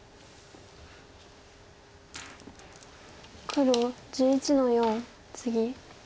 黒１１の四ツギ。